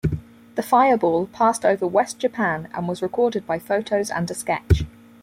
The fireball passed over west Japan and was recorded by photos and a sketch.